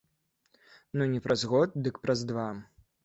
Ну не праз год, дык праз два.